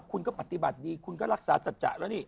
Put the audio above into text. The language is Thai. คุณก็ปฏิบัติดีคุณก็รักษาสัจจะแล้วนี่